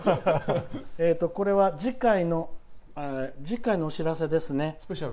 これは次回のお知らせですね。